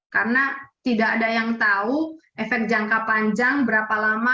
karena tidak ada yang tahu efek jangka panjang berapa lama